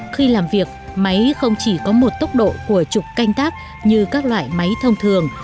khi làm việc máy không chỉ có một tốc độ của chục canh tác như các loại máy thông thường